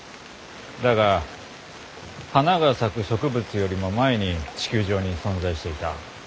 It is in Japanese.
だが花が咲く植物よりも前に地球上に存在していた。